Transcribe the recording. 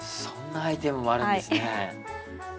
そんなアイテムもあるんですね。